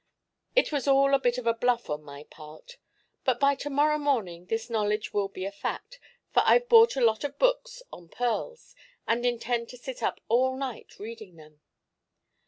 It was all a bit of bluff on my part. But by to morrow morning this knowledge will be a fact, for I've bought a lot of books on pearls and intend to sit up all night reading them."